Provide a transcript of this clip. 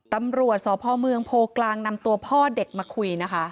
ตำรวจสพเมืองโพกลางนำตัวพ่อเด็กมาคุยนะคะ